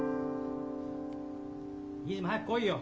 ・飯島早く来いよ！